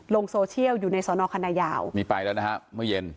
ลงโซเชียลอยู่ในสอนอคณะยาวนี่ไปแล้วนะฮะเมื่อเย็น